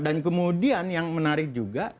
dan kemudian yang menarik juga